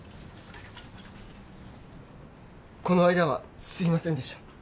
この間はすいませんでした